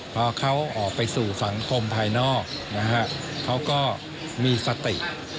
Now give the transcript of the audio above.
พอเขาออกไปสู่สังคมภายนอกนะฮะเขาก็มีสติ